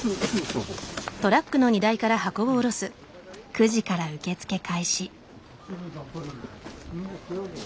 ９時から受け付け開始。